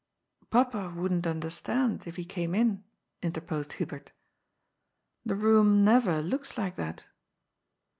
" Papa wouldn^t understand, if he came in," interposed Hubert. " The room never looks like that."